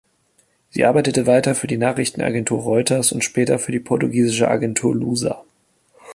Sie arbeitete weiter für die Nachrichtenagentur Reuters und später für die portugiesische Agentur Lusa.